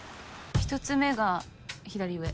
１つ目が左上。